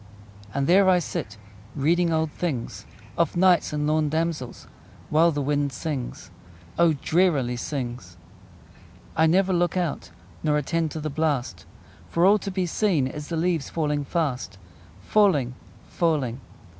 And there I sit Reading old things, Of knights and lorn damsels, While the wind sings O, drearily sings! I never look out Nor attend to the blast; For all to be seen Is the leaves falling fast: Falling, falling!